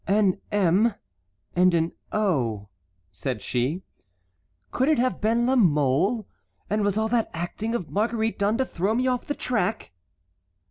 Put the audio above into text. "An m and an o," said she. "Could it have been La Mole, and was all that acting of Marguerite done to throw me off the track?"